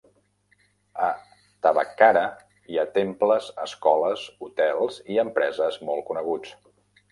A Thavakkara hi ha temples, escoles, hotels i empreses molt coneguts.